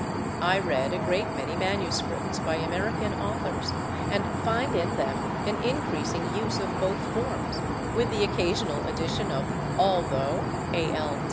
I read a great many manuscripts by American authors, and find in them an increasing use of both forms, with the occasional addition of /altho/, /thoro/ and /thoroly